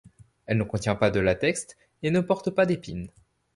Elle ne contient pas de latex et ne porte pas d'épines.